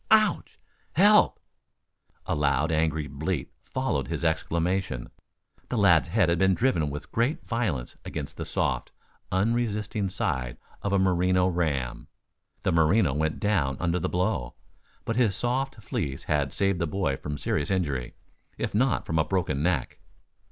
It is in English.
"Ouch! Help!" A loud, angry bleat followed his exclamation. The lad's head had been driven with great violence against the soft, unresisting side of a Merino ram. The Merino went down under the blow. But his soft fleece had saved the boy from serious injury, if not from a broken neck.